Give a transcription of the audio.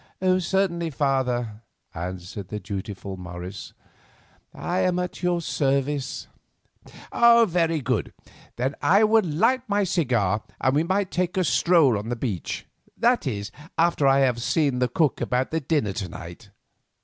"Certainly, father," answered the dutiful Morris; "I am at your service." "Very good; then I will light my cigar, and we might take a stroll on the beach, that is, after I have seen the cook about the dinner to night.